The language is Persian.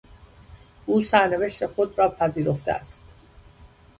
او سرنوشت خود را پذیرفته است.